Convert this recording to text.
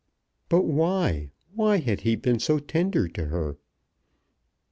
But why, why had he been so tender to her?